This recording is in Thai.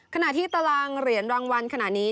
ขณะที่ตารางเหรียญรางวัลขณะนี้